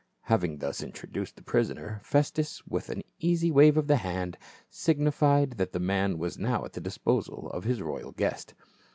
Having thus introduced the prisoner, Festus with an easy wave of the hand signified that the man was now at the disposal of his royal guest.